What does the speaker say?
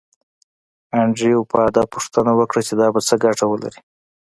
انډریو په ادب پوښتنه وکړه چې دا به څه ګټه ولري